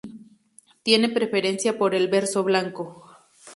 Tiene preferencia por el verso blanco.